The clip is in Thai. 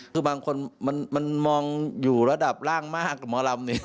คือบางคนมันมองอยู่ระดับล่างมากกับหมอลำเนี่ย